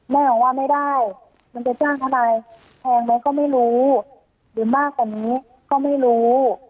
แม่บอกว่าไม่ได้มันจะจ้างทนายแพงไหมก็ไม่รู้หรือมากกว่านี้ก็ไม่รู้